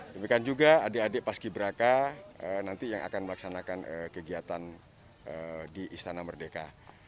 demikian juga adik adik paski beraka nanti yang akan melaksanakan kegiatan di istana merdeka